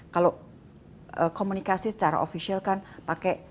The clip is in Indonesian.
kalau komunikasi secara ofisial kan pakai